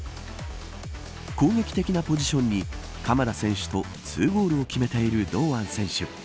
攻撃的なポジションに鎌田選手と２ゴールを決めている堂安選手。